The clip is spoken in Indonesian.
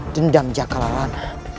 dendam jakal awan